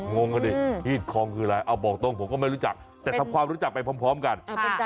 งงกันดิฮีดคองคืออะไรเอาบอกตรงผมก็ไม่รู้จักแต่ทำความรู้จักไปพร้อมกัน